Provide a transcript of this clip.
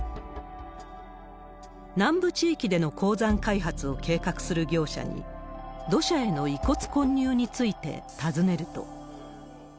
南部地域での鉱山開発を計画する業者に、土砂への遺骨混入について尋ねると。